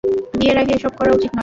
বিয়ের আগে এসব করা উচিত নয়।